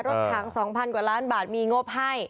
ถัง๒๐๐กว่าล้านบาทมีงบให้